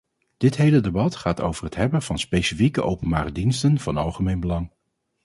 Dit hele debat gaat over het hebben van specifieke openbare diensten van algemeen belang.